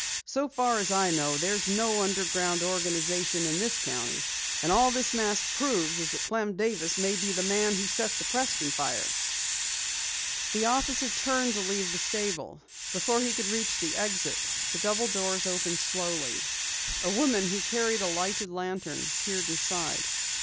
"So far as I know there's no underground organization in this county. All this mask proves is that Clem Davis may be the man who set the Preston fire." The officer turned to leave the stable. Before he could reach the exit, the double doors slowly opened. A woman, who carried a lighted lantern, peered inside.